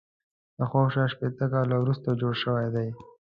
دا شاوخوا شپېته کاله وروسته جوړ شوی دی.